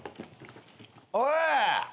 おい！